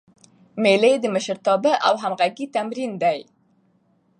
مېلې د مشرتابه او همږغۍ تمرین دئ.